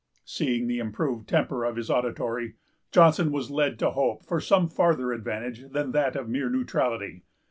Seeing the improved temper of his auditory, Johnson was led to hope for some farther advantage than that of mere neutrality.